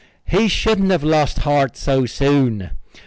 He shouldn't have lost heart so soon.